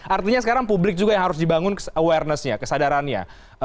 artinya sekarang publik juga yang harus dibangun awarenessnya kesadarannya